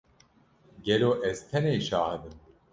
Gelo ez tenê şahid im?